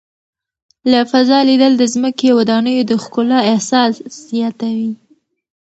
له فضا لیدل د ځمکې او ودانیو د ښکلا احساس زیاتوي.